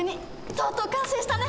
とうとう完成したね！